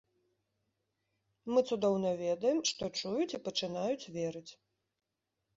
Мы цудоўна ведаем, што чуюць і пачынаюць верыць.